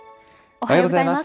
おはようございます。